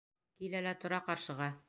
Килә лә тора ҡаршыға!